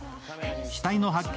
死体の発見